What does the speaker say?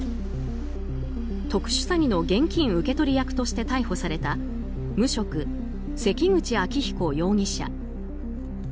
特殊詐欺の現金受け取り役として逮捕された無職、関口秋彦容疑者。